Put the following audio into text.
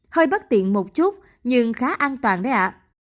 hơi bất tiện một chút nhưng khá an toàn đấy ạ